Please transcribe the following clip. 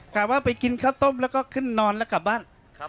ข่าวว่าไปกินข้าวต้มแล้วก็ขึ้นนอนแล้วกลับบ้าน